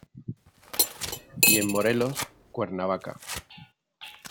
Y en Morelos, Cuernavaca.